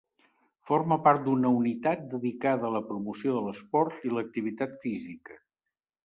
Forma part d'una unitat dedicada a la promoció de l'esport i l'activitat física.